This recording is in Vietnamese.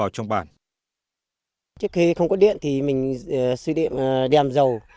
trước khi không có điện thì mình xuyên điện đèn dầu